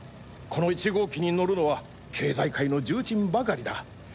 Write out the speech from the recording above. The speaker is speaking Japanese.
この壱号機に乗るのは経済界の重鎮ばかりだ。